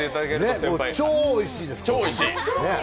超おいしいです。